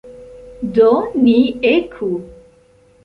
Do, ni eku!